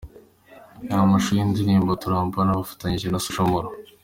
Reba amashusho y'indirimbo 'Turambarana' bafatanije na Social Mula.